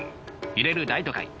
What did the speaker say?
揺れる大都会。